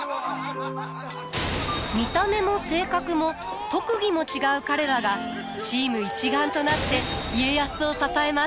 見た目も性格も特技も違う彼らがチーム一丸となって家康を支えます。